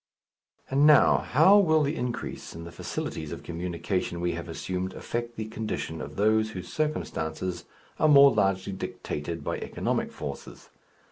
And now, how will the increase in the facilities of communication we have assumed affect the condition of those whose circumstances are more largely dictated by economic forces?